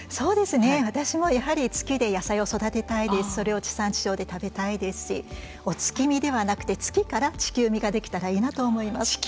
私もやはり月で野菜を育てたいですしそれを地産地消で食べたいですしお月見ではなくて月から地球見ができたらいいなと思います。